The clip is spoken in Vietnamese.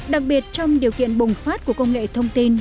đặc biệt trong điều kiện bùng phát của công nghệ thông tin